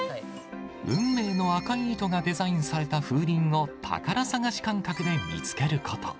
運命の赤い糸がデザインされた風鈴を、宝探し感覚で見つけること。